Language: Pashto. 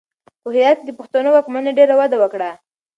په هرات کې د پښتنو واکمنۍ ډېره وده وکړه.